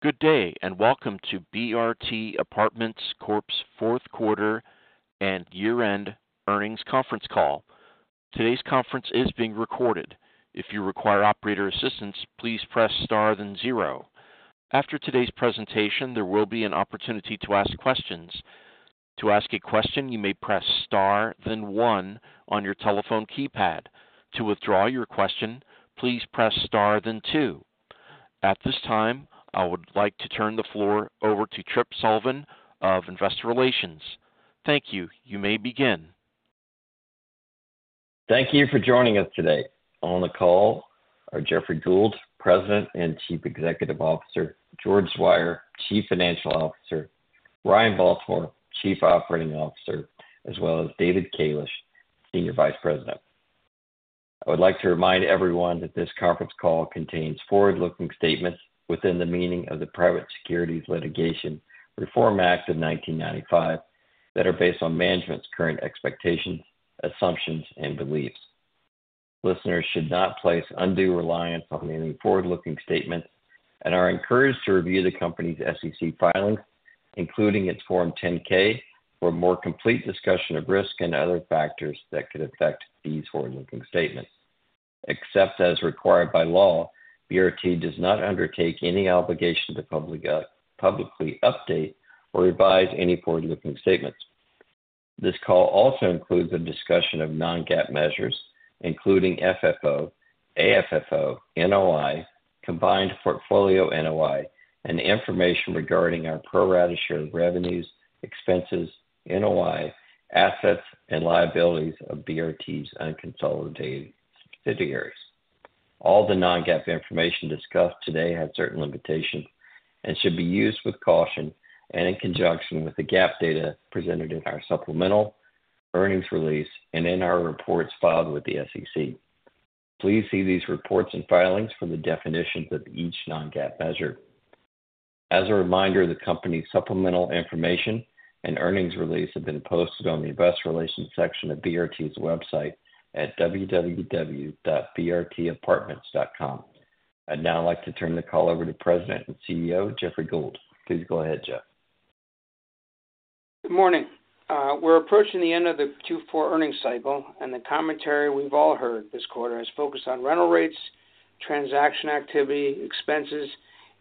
Good day, and welcome to BRT Apartments Corp's fourth quarter and year-end earnings conference call. Today's conference is being recorded. If you require operator assistance, please press star then zero. After today's presentation, there will be an opportunity to ask questions. To ask a question, you may press star then one on your telephone keypad. To withdraw your question, please press star then two. At this time, I would like to turn the floor over to Trip Sullivan of Investor Relations. Thank you. You may begin. Thank you for joining us today. On the call are Jeffrey Gould, President and Chief Executive Officer, George Zweier, Chief Financial Officer, Ryan Baltimore, Chief Operating Officer, as well as David Kalish, Senior Vice President. I would like to remind everyone that this conference call contains forward-looking statements within the meaning of the Private Securities Litigation Reform Act of 1995, that are based on management's current expectations, assumptions, and beliefs. Listeners should not place undue reliance on any forward-looking statements and are encouraged to review the company's SEC filings, including its Form 10-K, for a more complete discussion of risk and other factors that could affect these forward-looking statements. Except as required by law, BRT does not undertake any obligation to publicly update or revise any forward-looking statements. This call also includes a discussion of non-GAAP measures, including FFO, AFFO, NOI, combined portfolio NOI, and information regarding our pro rata share of revenues, expenses, NOI, assets, and liabilities of BRT's unconsolidated subsidiaries. All the non-GAAP information discussed today have certain limitations and should be used with caution and in conjunction with the GAAP data presented in our supplemental earnings release and in our reports filed with the SEC. Please see these reports and filings for the definitions of each non-GAAP measure. As a reminder, the company's supplemental information and earnings release have been posted on the investor relations section of BRT's website at www.brtapartments.com. I'd now like to turn the call over to President and CEO, Jeffrey Gould. Please go ahead, Jeff. Good morning. We're approaching the end of the Q4 earnings cycle, and the commentary we've all heard this quarter has focused on rental rates, transaction activity, expenses,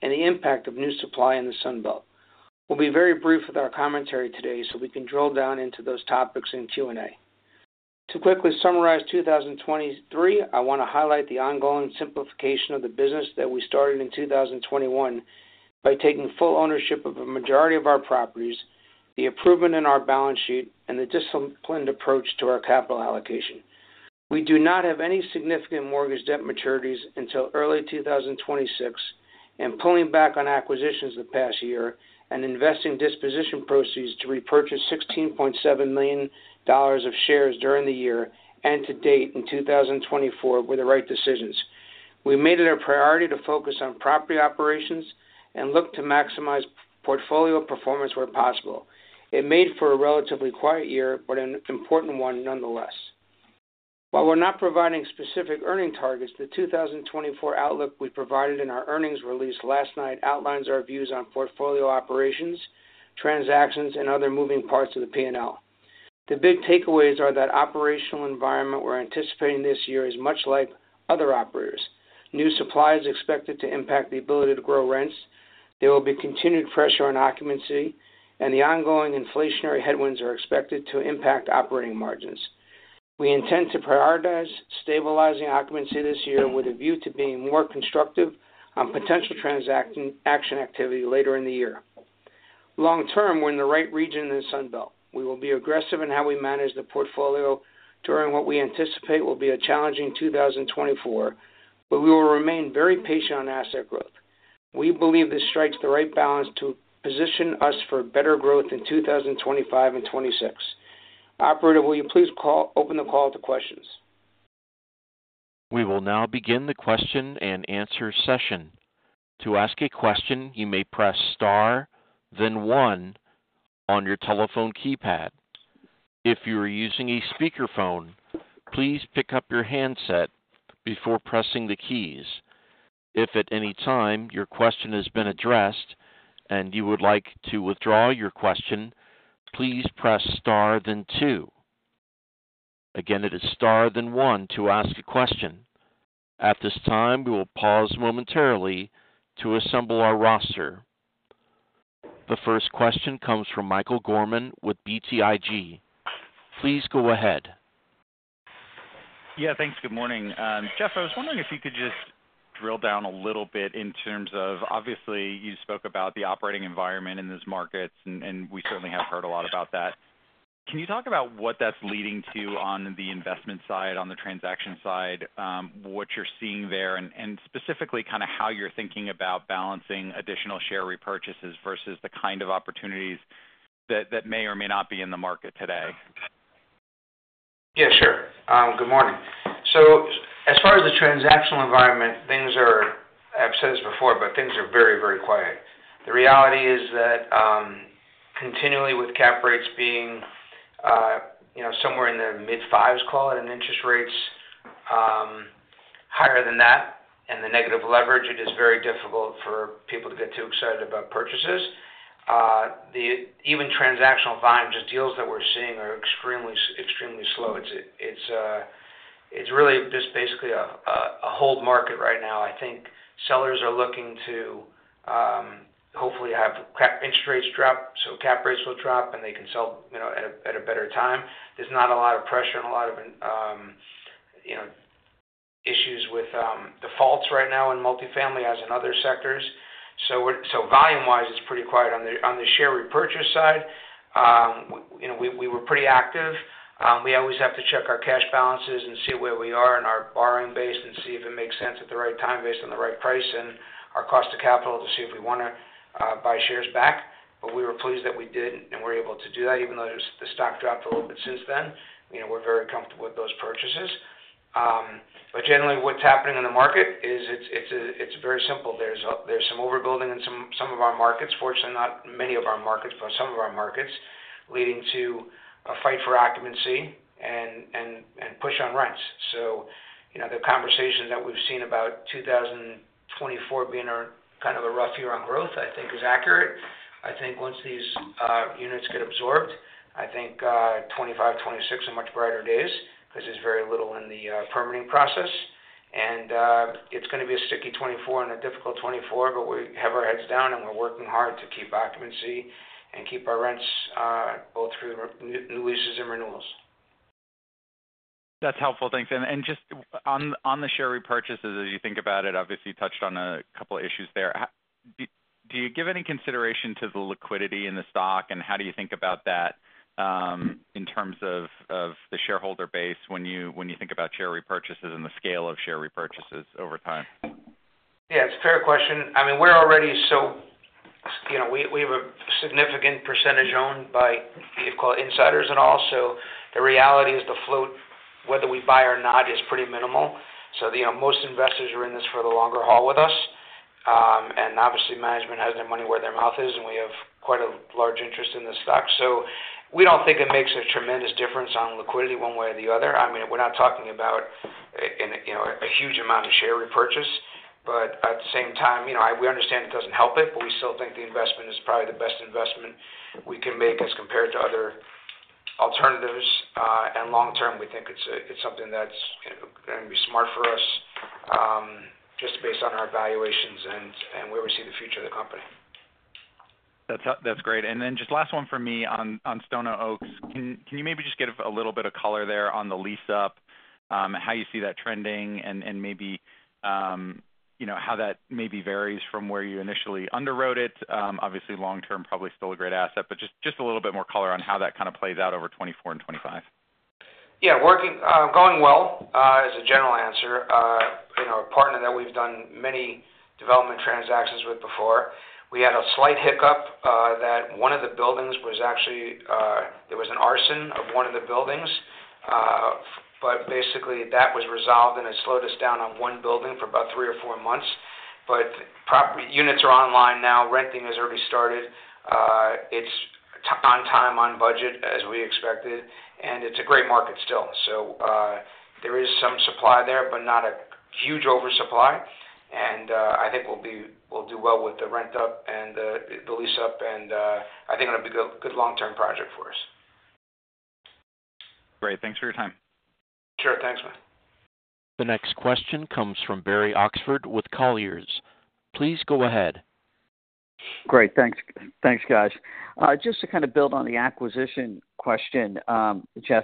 and the impact of new supply in the Sun Belt. We'll be very brief with our commentary today, so we can drill down into those topics in Q&A. To quickly summarize 2023, I want to highlight the ongoing simplification of the business that we started in 2021 by taking full ownership of a majority of our properties, the improvement in our balance sheet, and the disciplined approach to our capital allocation. We do not have any significant mortgage debt maturities until early 2026, and pulling back on acquisitions the past year and investing disposition proceeds to repurchase $16.7 million of shares during the year and to date in 2024, were the right decisions. We made it a priority to focus on property operations and look to maximize portfolio performance where possible. It made for a relatively quiet year, but an important one nonetheless. While we're not providing specific earnings targets, the 2024 outlook we provided in our earnings release last night outlines our views on portfolio operations, transactions, and other moving parts of the P&L. The big takeaways are that operational environment we're anticipating this year is much like other operators. New supply is expected to impact the ability to grow rents. There will be continued pressure on occupancy, and the ongoing inflationary headwinds are expected to impact operating margins. We intend to prioritize stabilizing occupancy this year with a view to being more constructive on potential transaction activity later in the year. Long term, we're in the right region in the Sun Belt. We will be aggressive in how we manage the portfolio during what we anticipate will be a challenging 2024, but we will remain very patient on asset growth. We believe this strikes the right balance to position us for better growth in 2025 and 2026. Operator, will you please open the call to questions? We will now begin the question and answer session. To ask a question, you may press star, then one on your telephone keypad. If you are using a speakerphone, please pick up your handset before pressing the keys. If at any time your question has been addressed and you would like to withdraw your question, please press star, then two. Again, it is star, then one to ask a question. At this time, we will pause momentarily to assemble our roster. The first question comes from Michael Gorman with BTIG. Please go ahead. Yeah, thanks. Good morning. Jeff, I was wondering if you could just drill down a little bit in terms of... Obviously, you spoke about the operating environment in these markets, and we certainly have heard a lot about that. Can you talk about what that's leading to on the investment side, on the transaction side, what you're seeing there, and specifically kind of how you're thinking about balancing additional share repurchases versus the kind of opportunities that may or may not be in the market today? Yeah, sure. Good morning. So as far as the transactional environment, things are—I've said this before, but things are very, very quiet. The reality is that, continually with cap rates being, you know, somewhere in the mid-5s call it, and interest rates higher than that and the negative leverage, it is very difficult for people to get too excited about purchases. The even transactional volume, just deals that we're seeing are extremely, extremely slow. It's really just basically a hold market right now. I think sellers are looking to, hopefully have cap interest rates drop, so cap rates will drop, and they can sell, you know, at a better time. There's not a lot of pressure and a lot of, you know, issues with defaults right now in multifamily, as in other sectors. So volume-wise, it's pretty quiet. On the share repurchase side, you know, we were pretty active. We always have to check our cash balances and see where we are in our borrowing base and see if it makes sense at the right time, based on the right price and our cost of capital, to see if we wanna buy shares back. But we were pleased that we did, and we were able to do that, even though the stock dropped a little bit since then. You know, we're very comfortable with those purchases. But generally, what's happening in the market is it's very simple. There's some overbuilding in some of our markets. Fortunately, not many of our markets, but some of our markets, leading to a fight for occupancy and push on rents. So, you know, the conversation that we've seen about 2024 being a kind of a rough year on growth, I think is accurate. I think once these units get absorbed, I think, 2025, 2026 are much brighter days, 'cause there's very little in the permitting process. And, it's gonna be a sticky 2024 and a difficult 2024, but we have our heads down, and we're working hard to keep occupancy and keep our rents both through the renewal leases and renewals. That's helpful. Thanks. And just on the share repurchases, as you think about it, obviously, you touched on a couple issues there. How do you give any consideration to the liquidity in the stock, and how do you think about that in terms of the shareholder base when you think about share repurchases and the scale of share repurchases over time? Yeah, it's a fair question. I mean, we're already so... You know, we have a significant percentage owned by, we call it insiders and all. So the reality is the float, whether we buy or not, is pretty minimal. So, you know, most investors are in this for the longer haul with us. And obviously, management has their money where their mouth is, and we have quite a large interest in the stock. So we don't think it makes a tremendous difference on liquidity one way or the other. I mean, we're not talking about a, you know, a huge amount of share repurchase, but at the same time, you know, we understand it doesn't help it, but we still think the investment is probably the best investment we can make as compared to other alternatives. Long term, we think it's something that's, you know, gonna be smart for us, just based on our valuations and where we see the future of the company. That's great. And then just last one for me on Stono Oaks. Can you maybe just give a little bit of color there on the lease up, how you see that trending, and maybe you know, how that maybe varies from where you initially underwrote it? Obviously, long term, probably still a great asset, but just a little bit more color on how that kind of plays out over 2024 and 2025. Yeah, working going well is the general answer. You know, a partner that we've done many development transactions with before. We had a slight hiccup that one of the buildings was actually there was an arson of one of the buildings. But basically, that was resolved, and it slowed us down on one building for about three or four months. But property units are online now, renting has already started. It's on time, on budget, as we expected, and it's a great market still. So, there is some supply there, but not a huge oversupply, and I think we'll do well with the rent up and the lease up, and I think it'll be a good, good long-term project for us. Great. Thanks for your time. Sure. Thanks, man. The next question comes from Barry Oxford with Colliers. Please go ahead. Great. Thanks. Thanks, guys. Just to kind of build on the acquisition question, Jeff,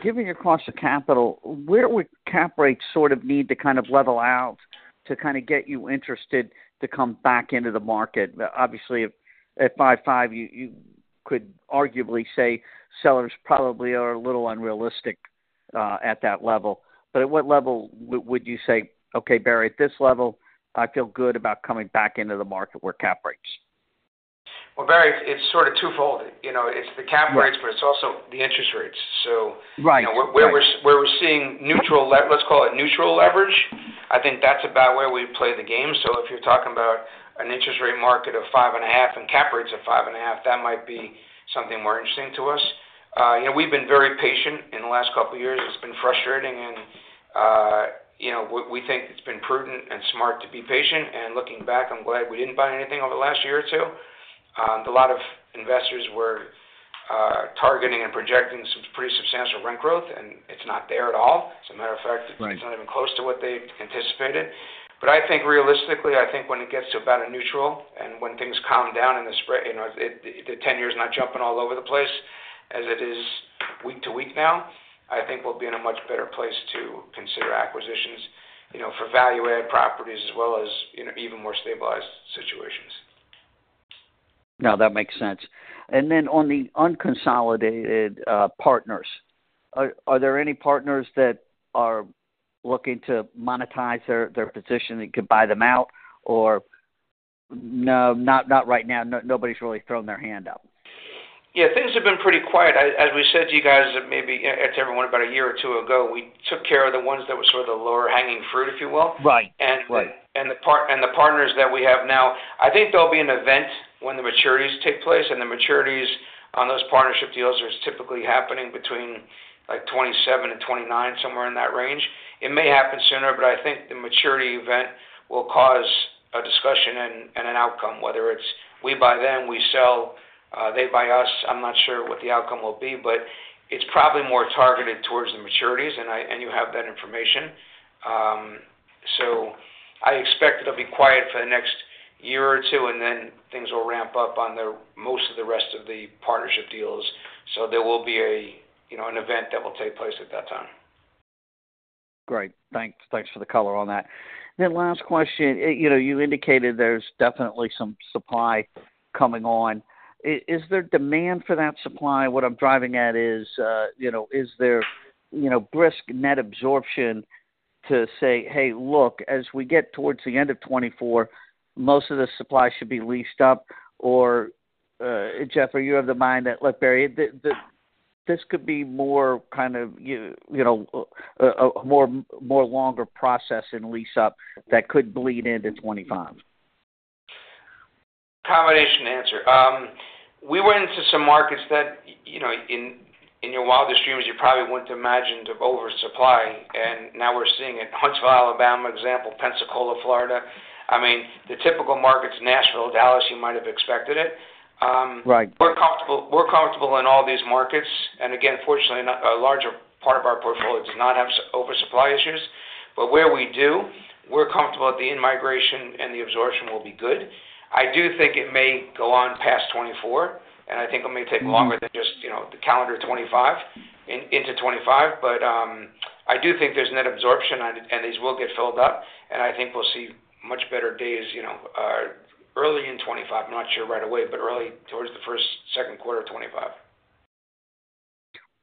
given your cost of capital, where would cap rates sort of need to kind of level out to kind of get you interested to come back into the market? Obviously, at 5.5%, you, you could arguably say sellers probably are a little unrealistic, at that level. But at what level would you say, "Okay, Barry, at this level, I feel good about coming back into the market, where cap rates? Well, Barry, it's sort of twofold. You know, it's the cap rates- Right. but it's also the interest rates, so. Right. Right. You know, where we're seeing neutral – let's call it neutral leverage, I think that's about where we play the game. So if you're talking about an interest rate market of 5.5, and cap rates of 5.5, that might be something more interesting to us. You know, we've been very patient in the last couple of years. It's been frustrating and, you know, we think it's been prudent and smart to be patient. And looking back, I'm glad we didn't buy anything over the last year or two. A lot of investors were targeting and projecting some pretty substantial rent growth, and it's not there at all. As a matter of fact- Right... it's not even close to what they anticipated. But I think realistically, I think when it gets to about a neutral and when things calm down in the you know, it, the ten-year is not jumping all over the place, as it is week to week now, I think we'll be in a much better place to consider acquisitions, you know, for value-add properties as well as, you know, even more stabilized situations. No, that makes sense. And then on the unconsolidated partners, are there any partners that are looking to monetize their position, and you could buy them out or no, not right now, nobody's really thrown their hand out? ... Yeah, things have been pretty quiet. As, as we said to you guys, maybe to everyone, about a year or two ago, we took care of the ones that were sort of the lower hanging fruit, if you will. Right, right. And the partners that we have now, I think there'll be an event when the maturities take place, and the maturities on those partnership deals are typically happening between, like, 2027 and 2029, somewhere in that range. It may happen sooner, but I think the maturity event will cause a discussion and an outcome, whether it's we buy them, we sell, they buy us. I'm not sure what the outcome will be, but it's probably more targeted towards the maturities, and you have that information. So I expect it'll be quiet for the next year or two, and then things will ramp up on the most of the rest of the partnership deals. So there will be a, you know, an event that will take place at that time. Great. Thanks. Thanks for the color on that. Then last question. You know, you indicated there's definitely some supply coming on. Is there demand for that supply? What I'm driving at is, you know, is there, you know, brisk net absorption to say, "Hey, look, as we get towards the end of 2024, most of the supply should be leased up?" Or, Jeff, are you of the mind that, look, Barry, this could be more kind of, you know, a more longer process and lease up that could bleed into 2025? Combination answer. We went into some markets that, you know, in, in your wildest dreams, you probably wouldn't have imagined of oversupply, and now we're seeing it. Huntsville, Alabama, example, Pensacola, Florida. I mean, the typical markets, Nashville, Dallas, you might have expected it. Right. We're comfortable, we're comfortable in all these markets, and again, fortunately, not a larger part of our portfolio does not have oversupply issues. But where we do, we're comfortable that the in-migration and the absorption will be good. I do think it may go on past 2024, and I think it may take longer- Mm-hmm. -than just, you know, the calendar 2025, into 2025. But I do think there's net absorption, and these will get filled up, and I think we'll see much better days, you know, early in 2025. I'm not sure right away, but early, towards the first, second quarter of 2025.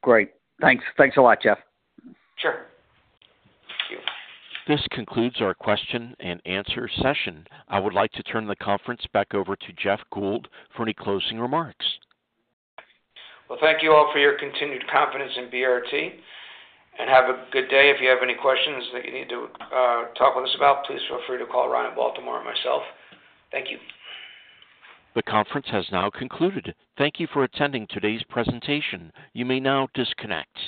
Great. Thanks. Thanks a lot, Jeff. Sure. Thank you. This concludes our question and answer session. I would like to turn the conference back over to Jeff Gould for any closing remarks. Well, thank you all for your continued confidence in BRT, and have a good day. If you have any questions that you need to talk with us about, please feel free to call Ryan Baltimore or myself. Thank you. The conference has now concluded. Thank you for attending today's presentation. You may now disconnect.